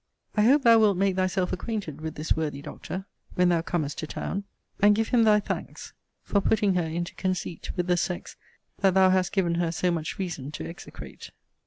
I hope thou wilt make thyself acquainted with this worthy Doctor when thou comest to town; and give him thy thanks, for putting her into conceit with the sex that thou hast given her so much reason to execrate.